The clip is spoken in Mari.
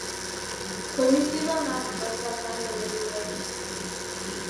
Комиссийланат паша каньыле лиеш.